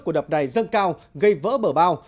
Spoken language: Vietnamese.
của đập đài dâng cao gây vỡ bờ bao